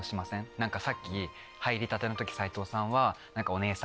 何かさっき入りたての時齋藤さんは。